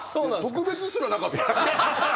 特別すらなかった！